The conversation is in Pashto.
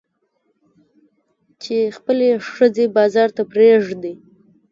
چې خپلې ښځې بازار ته پرېږدي.